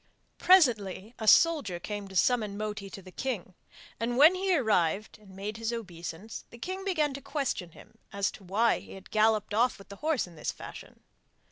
Presently a soldier came to summon Moti to the king; and, when he arrived and made his obeisance, the king began to question him as to why he had galloped off with the horse in this fashion.